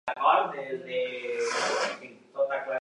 L'obra la dirigí l'enginyer de la mateixa empresa, Mestres.